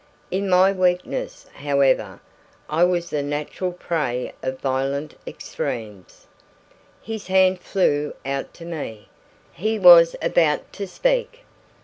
In my weakness, however, I was the natural prey of violent extremes. His hand flew out to me. He was about to speak.